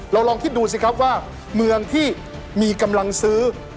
ลองคิดดูสิครับว่าเมืองที่มีกำลังซื้อ